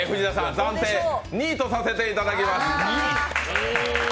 暫定２位とさせていただきます。